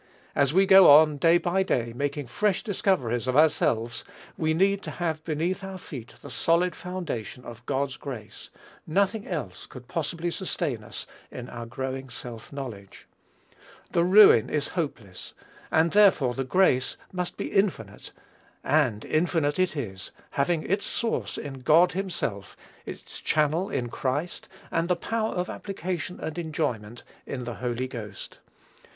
As we go on, day by day, making fresh discoveries of ourselves, we need to have beneath our feet the solid foundation of God's grace: nothing else could possibly sustain us in our growing self knowledge. The ruin is hopeless, and therefore the grace must be infinite: and infinite it is, having its source in God himself, its channel in Christ, and the power of application and enjoyment in the Holy Ghost.